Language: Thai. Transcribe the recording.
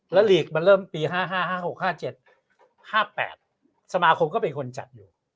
แล้วหลีกมันเริ่มปี๕๕๕๖๕๗๕๘สมาคมก็เป็นคนจัด